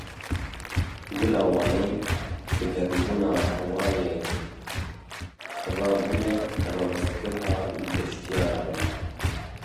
Gola Wanê bi germbûna hewayê re bûye rawestgeha geştiyaran.